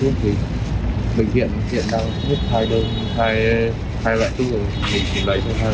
thì bệnh viện hiện đang